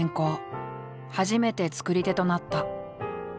初めて作り手となった。